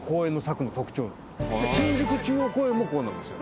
新宿中央公園もこうなんですよ。